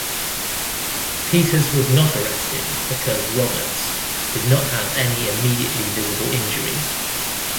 Peters was not arrested because Roberts did not have any immediately visible injuries.